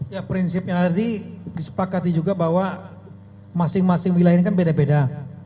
ya prinsipnya tadi disepakati juga bahwa masing masing wilayah ini kan beda beda